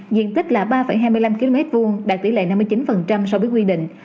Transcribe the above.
diện tích là ba hai mươi năm km hai đạt tỷ lệ năm mươi chín so với quy định